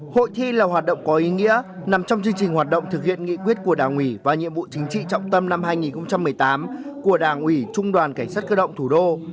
hội thi là hoạt động có ý nghĩa nằm trong chương trình hoạt động thực hiện nghị quyết của đảng ủy và nhiệm vụ chính trị trọng tâm năm hai nghìn một mươi tám của đảng ủy trung đoàn cảnh sát cơ động thủ đô